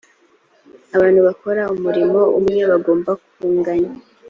abantu bakora umurimo umwe bagomba kunganya.